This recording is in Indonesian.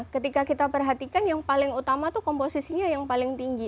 ketika kita perhatikan yang paling utama itu komposisinya yang paling tinggi